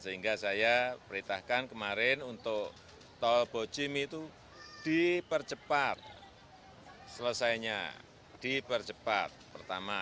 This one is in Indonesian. sehingga saya perintahkan kemarin untuk tol bojimi itu dipercepat selesainya dipercepat pertama